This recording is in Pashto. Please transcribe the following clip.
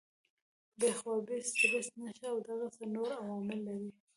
بې خوابي ، سټريس ، نشه او دغسې نور عوامل لري